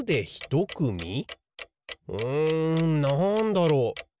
んなんだろう。